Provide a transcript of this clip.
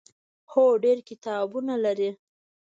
هو، ډیر کتابونه لري